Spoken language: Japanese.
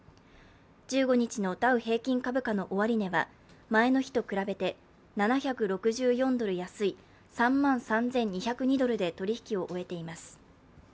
１５日のダウ平均株価の終値は前の日と比べて７６４ドル安い３万３２０２ドルで取引を終えています。